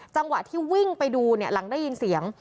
จังหวะที่วิ่งไปดูหลังได้ยินเสียง